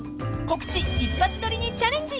［告知一発撮りにチャレンジ！］